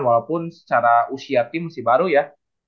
walaupun secara usia tim masih baru ya